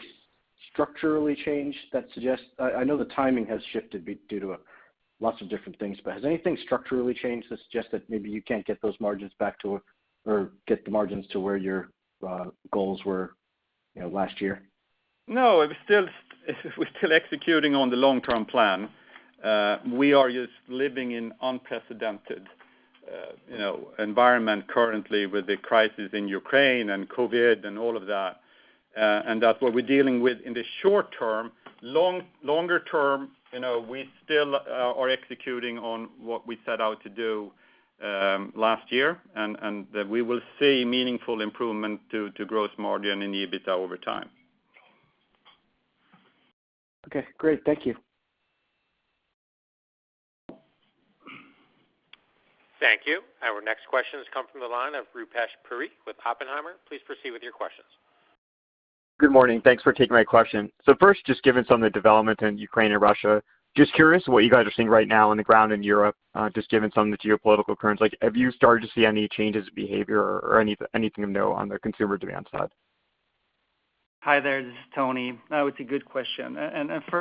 G: structurally changed that suggests. I know the timing has shifted due to lots of different things, but has anything structurally changed to suggest that maybe you can't get those margins back to or get the margins to where your goals were? You know, last year?
D: No, we're still executing on the long-term plan. We are just living in unprecedented environment currently with the crisis in Ukraine and COVID and all of that. That's what we're dealing with in the short term. Longer term, you know, we still are executing on what we set out to do last year, and we will see meaningful improvement to gross margin in EBITDA over time.
G: Okay, great. Thank you.
A: Thank you. Our next question has come from the line of Rupesh Parikh with Oppenheimer. Please proceed with your questions.
H: Good morning. Thanks for taking my question. First, just given some of the development in Ukraine and Russia, just curious what you guys are seeing right now on the ground in Europe, just given some of the geopolitical currents. Like, have you started to see any changes in behavior or anything of note on the consumer demand side?
C: Hi there. This is Toni. It's a good question.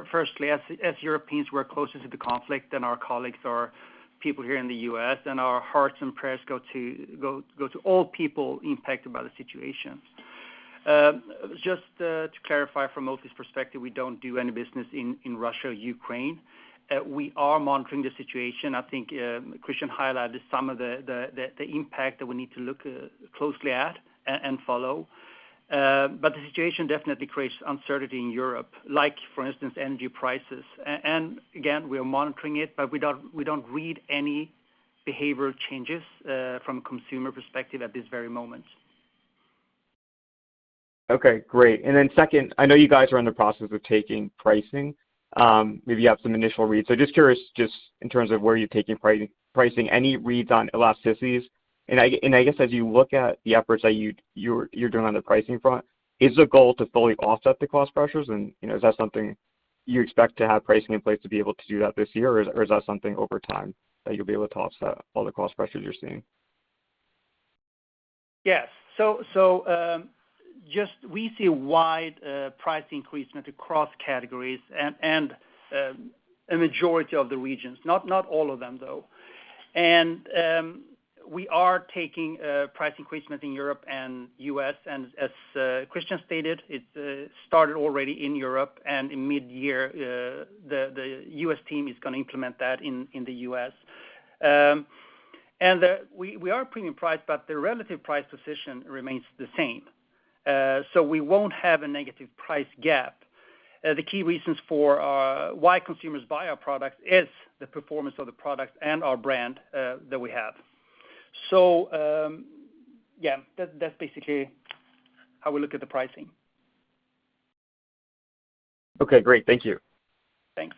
C: Firstly, as Europeans, we're closer to the conflict than our colleagues or people here in the U.S., and our hearts and prayers go to all people impacted by the situation. Just to clarify from Oatly's perspective, we don't do any business in Russia or Ukraine. We are monitoring the situation. I think Christian highlighted some of the impact that we need to look closely at and follow. The situation definitely creates uncertainty in Europe, like for instance, energy prices. We are monitoring it, but we don't read any behavioral changes from a consumer perspective at this very moment.
H: Okay, great. Second, I know you guys are in the process of taking pricing, maybe you have some initial reads. Just curious, just in terms of where you're taking pricing, any reads on elasticities? I guess as you look at the efforts that you're doing on the pricing front, is the goal to fully offset the cost pressures? You know, is that something you expect to have pricing in place to be able to do that this year? Is that something over time that you'll be able to offset all the cost pressures you're seeing?
C: Yes. Just we see wide price increase across categories and a majority of the regions, not all of them, though. We are taking price increase in Europe and U.S. As Christian stated, it started already in Europe, and in midyear the U.S. team is gonna implement that in the U.S. We are premium priced, but the relative price position remains the same. We won't have a negative price gap. The key reasons for why consumers buy our products is the performance of the product and our brand that we have. Yeah, that's basically how we look at the pricing.
H: Okay, great. Thank you.
C: Thanks.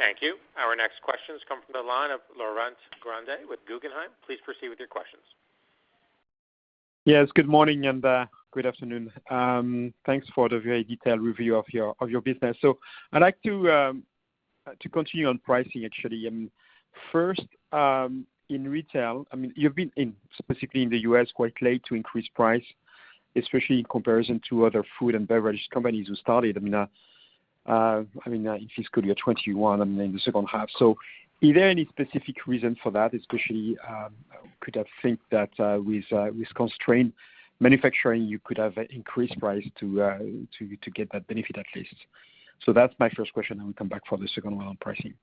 A: Thank you. Our next question has come from the line of Laurent Grandet with Guggenheim. Please proceed with your questions.
I: Yes, good morning, and good afternoon. Thanks for the very detailed review of your business. I'd like to continue on pricing, actually. First, in retail, I mean, you've been, specifically in the U.S., quite late to increase price, especially in comparison to other food and beverage companies who started. I mean in fiscal year 2021 and in the second half. Is there any specific reason for that, especially, couldn't you think that with constrained manufacturing, you could have increased price to get that benefit at least? That's my first question, and we come back for the second one on pricing.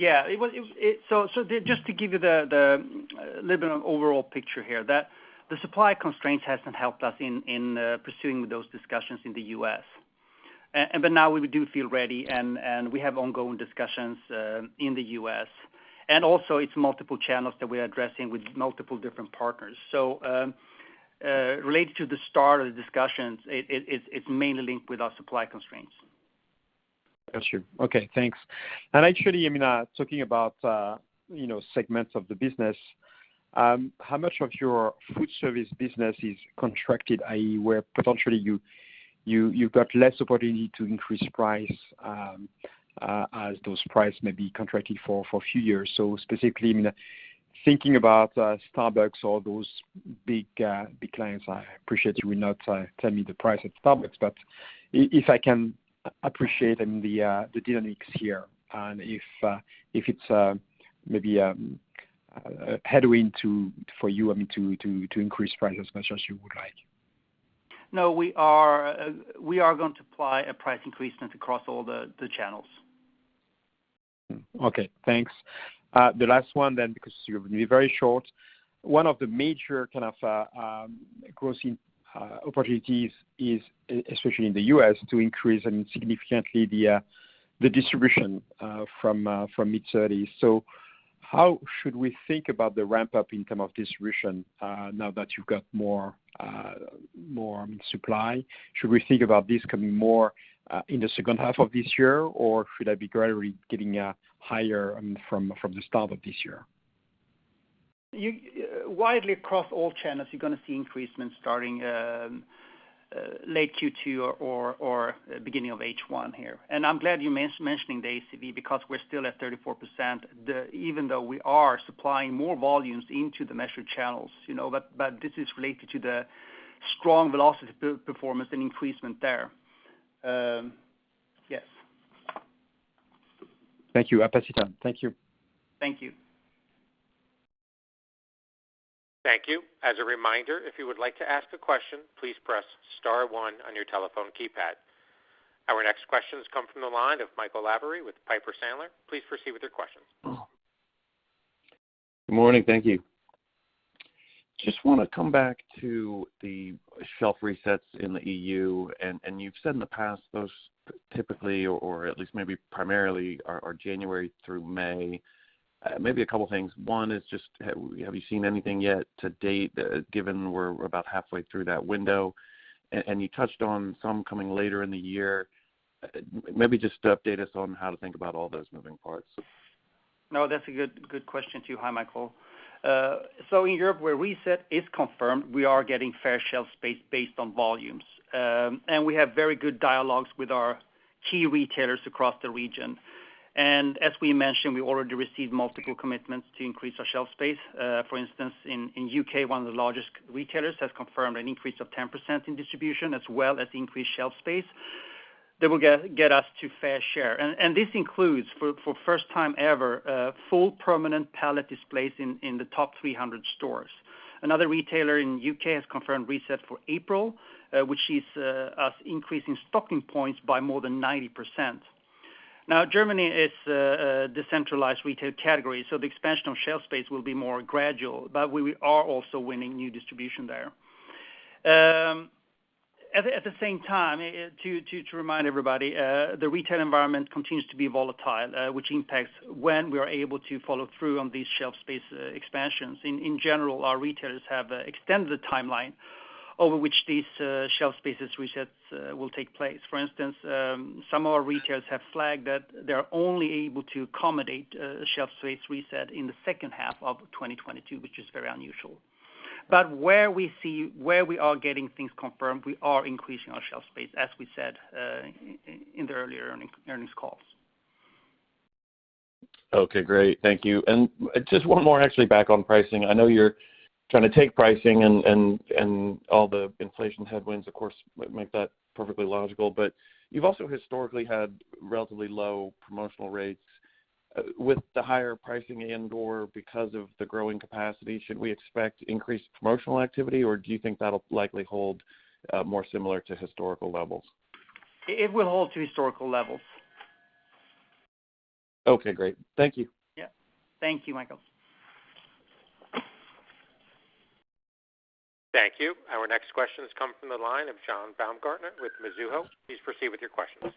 C: Just to give you the little bit of overall picture here, that the supply constraints hasn't helped us in pursuing those discussions in the U.S. Now we do feel ready, and we have ongoing discussions in the U.S. Also, it's multiple channels that we're addressing with multiple different partners. Related to the start of the discussions, it's mainly linked with our supply constraints.
I: Got you. Okay, thanks. Actually, I mean, talking about, you know, segments of the business, how much of your food service business is contracted, i.e., where potentially you've got less opportunity to increase price, as those prices may be contracted for a few years? Specifically, I mean, thinking about Starbucks or those big clients. I appreciate that you will not tell me the price at [Starbucks], but if I can appreciate the dynamics here and if it's maybe a headwind for you, I mean, to increase price as much as you would like.
C: No, we are going to apply a price increase across all the channels.
I: Okay, thanks. The last one then, because it's gonna be very short. One of the major kind of growth opportunities is, especially in the U.S., to increase significantly the distribution from mid-thirty. How should we think about the ramp-up in terms of distribution now that you've got more supply? Should we think about this coming more in the second half of this year, or should I be gradually getting higher from the start of this year?
C: Widely across all channels, you're gonna see increase starting late Q2 or beginning of H1 here. I'm glad you mentioning the ACV because we're still at 34%, even though we are supplying more volumes into the measured channels, you know. This is related to the strong velocity performance and increase there.
I: Thank you.
C: Thank you.
A: Thank you. As a reminder, if you would like to ask a question, please press star one on your telephone keypad. Our next questions come from the line of Michael Lavery with Piper Sandler. Please proceed with your questions.
J: Good morning. Thank you. Just wanna come back to the shelf resets in the EU. You've said in the past those typically, or at least maybe primarily are January through May. Maybe a couple things. One is just have you seen anything yet to date, given we're about halfway through that window? You touched on some coming later in the year. Maybe just update us on how to think about all those moving parts.
C: No, that's a good question, too. Hi, Michael. So in Europe, where reset is confirmed, we are getting fair shelf space based on volumes. We have very good dialogues with our key retailers across the region. As we mentioned, we already received multiple commitments to increase our shelf space. For instance, in U.K., one of the largest retailers has confirmed an increase of 10% in distribution as well as increased shelf space that will get us to fair share. This includes for first time ever, full permanent pallet displays in the top 300 stores. Another retailer in U.K. has confirmed reset for April, which sees us increasing stocking points by more than 90%. Now Germany is a decentralized retail category, so the expansion of shelf space will be more gradual, but we are also winning new distribution there. At the same time, to remind everybody, the retail environment continues to be volatile, which impacts when we are able to follow through on these shelf space expansions. In general, our retailers have extended the timeline over which these shelf space resets will take place. For instance, some of our retailers have flagged that they're only able to accommodate a shelf space reset in the second half of 2022, which is very unusual. Where we are getting things confirmed, we are increasing our shelf space, as we said, in the earlier earnings calls.
J: Okay, great. Thank you. Just one more actually back on pricing. I know you're trying to take pricing and all the inflation headwinds of course make that perfectly logical, but you've also historically had relatively low promotional rates. With the higher pricing and/or because of the growing capacity, should we expect increased promotional activity, or do you think that'll likely hold more similar to historical levels?
C: It will hold to historical levels.
J: Okay, great. Thank you.
C: Yeah. Thank you, Michael.
A: Thank you. Our next question has come from the line of John Baumgartner with Mizuho. Please proceed with your questions.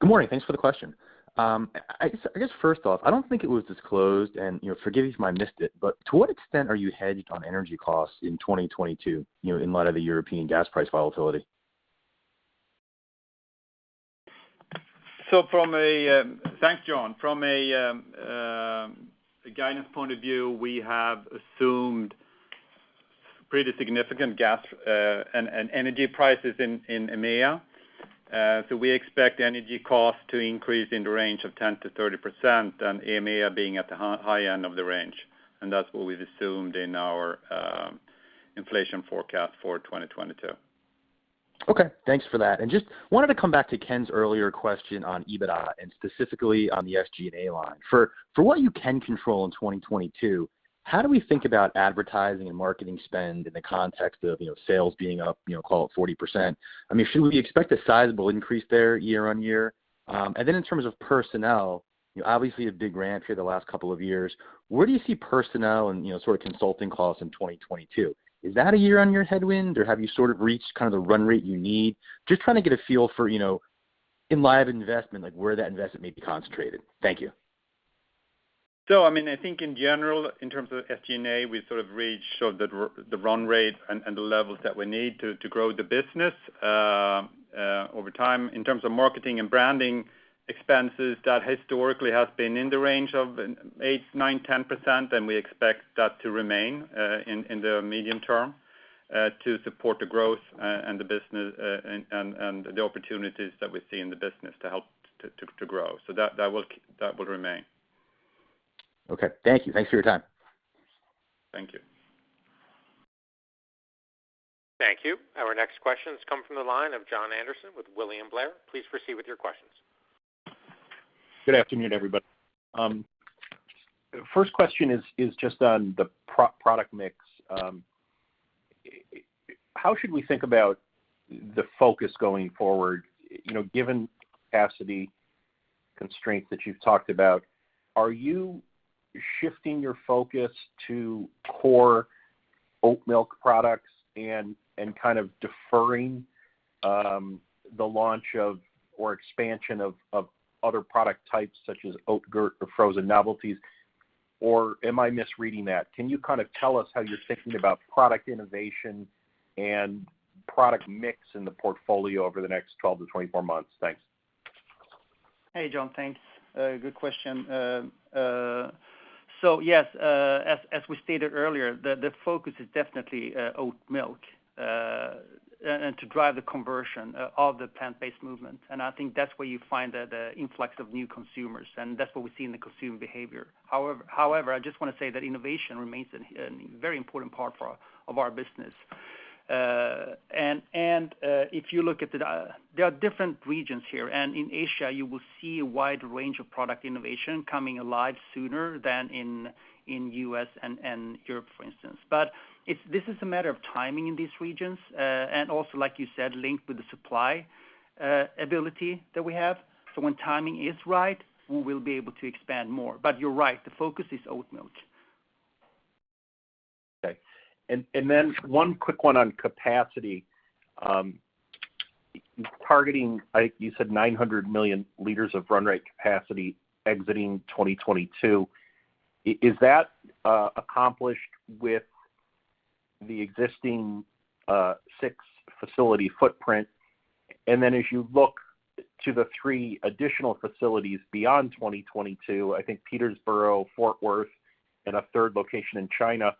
K: Good morning. Thanks for the question. I guess first off, I don't think it was disclosed, and, you know, forgive me if I missed it, but to what extent are you hedged on energy costs in 2022, you know, in light of the European gas price volatility?
D: Thanks, John. From a guidance point of view, we have assumed pretty significant gas and energy prices in EMEA. We expect energy costs to increase in the range of 10%-30%, and EMEA being at the high end of the range, and that's what we've assumed in our inflation forecast for 2022.
K: Okay. Thanks for that. Just wanted to come back to Ken's earlier question on EBITDA and specifically on the SG&A line. For what you can control in 2022, how do we think about advertising and marketing spend in the context of, you know, sales being up, you know, call it 40%? I mean, should we expect a sizable increase there year-on-year? And then in terms of personnel, you know, obviously a big ramp here the last couple of years. Where do you see personnel and, you know, sort of consulting costs in 2022? Is that a year-on-year headwind, or have you sort of reached kind of the run rate you need? Just trying to get a feel for, you know, in light of investment, like where that investment may be concentrated. Thank you.
D: I mean, I think in general, in terms of SG&A, we sort of reached the run rate and the levels that we need to grow the business over time. In terms of marketing and branding expenses, that historically has been in the range of 8%-10%, and we expect that to remain in the medium term to support the growth and the business and the opportunities that we see in the business to help to grow. That will remain.
K: Okay. Thank you. Thanks for your time.
D: Thank you.
A: Thank you. Our next question has come from the line of Jon Andersen with William Blair. Please proceed with your questions.
L: Good afternoon, everybody. First question is just on the product mix. How should we think about the focus going forward? You know, given capacity constraints that you've talked about, are you shifting your focus to core oat milk products and kind of deferring the launch of or expansion of other product types such as oat yogurt or frozen novelties, or am I misreading that? Can you kind of tell us how you're thinking about product innovation and product mix in the portfolio over the next 12-24 months? Thanks.
C: Hey, John. Thanks. Good question. Yes, as we stated earlier, the focus is definitely oat milk and to drive the conversion of the plant-based movement. I think that's where you find the influx of new consumers, and that's what we see in the consumer behavior. However, I just wanna say that innovation remains a very important part of our business. If you look, there are different regions here, and in Asia, you will see a wide range of product innovation coming alive sooner than in the U.S. and Europe, for instance. This is a matter of timing in these regions, and also, like you said, linked with the supply ability that we have. When timing is right, we will be able to expand more. You're right, the focus is oat milk.
L: Okay. Then one quick one on capacity. Targeting, I think you said 900 million liters of run rate capacity exiting 2022. Is that accomplished with the existing six facility footprint? Then as you look to the three additional facilities beyond 2022, I think Peterborough, Fort Worth, and a third location in China.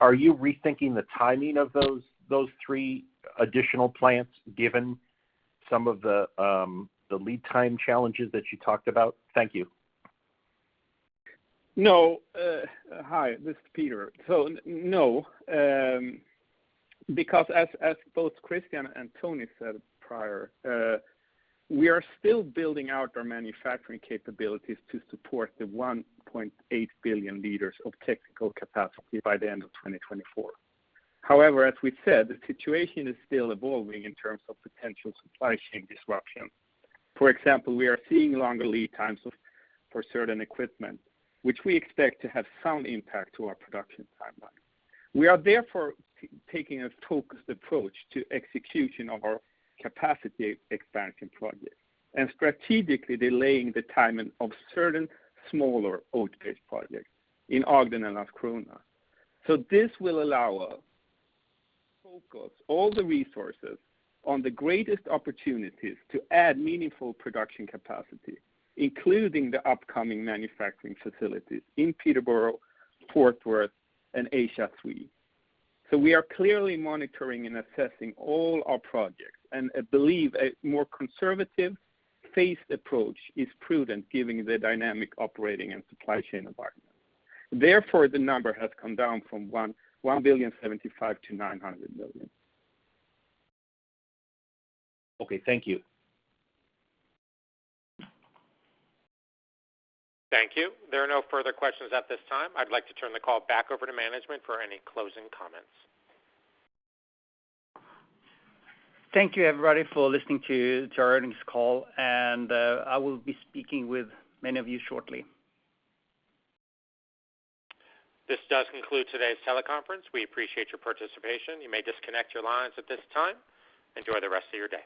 L: Are you rethinking the timing of those three additional plants, given some of the lead time challenges that you talked about? Thank you.
M: Hi, this is Peter. No, because as both Christian and Toni said prior, we are still building out our manufacturing capabilities to support the 1.8 billion liters of technical capacity by the end of 2024. However, as we said, the situation is still evolving in terms of potential supply chain disruption. For example, we are seeing longer lead times for certain equipment, which we expect to have some impact to our production timeline. We are therefore taking a focused approach to execution of our capacity expansion projects and strategically delaying the timing of certain smaller oat-based projects in Ogden and Landskrona. This will allow us to focus all the resources on the greatest opportunities to add meaningful production capacity, including the upcoming manufacturing facilities in Peterborough, Fort Worth, and Asia Three. We are clearly monitoring and assessing all our projects, and I believe a more conservative phased approach is prudent given the dynamic operating and supply chain environment. Therefore, the number has come down from $1.1 billion to $900 million.
L: Okay. Thank you.
A: Thank you. There are no further questions at this time. I'd like to turn the call back over to management for any closing comments.
C: Thank you, everybody, for listening to our earnings call, and I will be speaking with many of you shortly.
A: This does conclude today's teleconference. We appreciate your participation. You may disconnect your lines at this time. Enjoy the rest of your day.